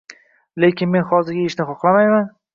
Lekin men hozir eyishni xohlamayman, e`tiroz bildirdi Jamol